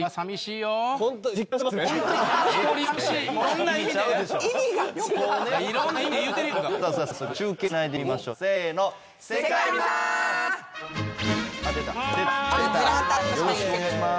よろしくお願いします